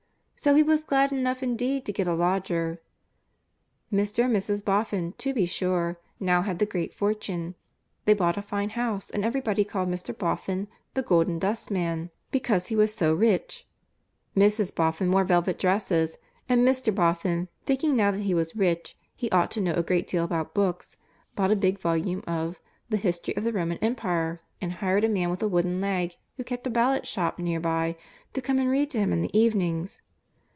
So he was glad enough indeed to get a lodger. Mr. and Mrs. Boffin, to be sure, now had the great fortune. They bought a fine house, and everybody called Mr. Boffin "The Golden Dustman," because he was so rich. Mrs. Boffin wore velvet dresses, and Mr. Boffin, thinking that now he was rich he ought to know a great deal about books, bought a big volume of the History of the Roman Empire and hired a man with a wooden leg who kept a ballad shop near by to come and read to him in the evenings.